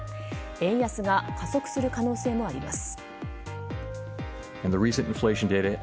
円安が加速する可能性もあります。